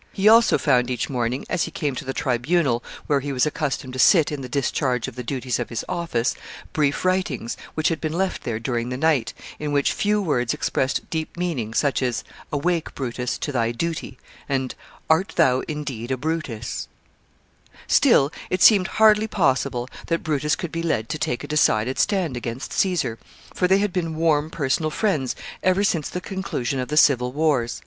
He also found each morning, as he came to the tribunal where he was accustomed to sit in the discharge of the duties of his office, brief writings, which had been left there during the night, in which few words expressed deep meaning, such as "Awake, Brutus, to thy duty;" and "Art thou indeed a Brutus?" [Sidenote: His obligations to Caesar.] [Sidenote: Caesar's friendship for Brutus.] Still it seemed hardly probable that Brutus could be led to take a decided stand against Caesar, for they had been warm personal friends ever since the conclusion of the civil wars.